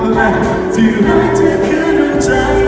ที่รักเธอคือหลังใจของฉัน